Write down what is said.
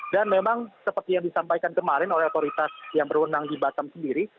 dan memang seperti yang disampaikan kemarin oleh otoritas yang berundang di batam sendiri